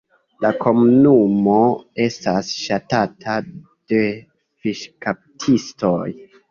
La komunumo estas ŝatata de fiŝkaptistoj.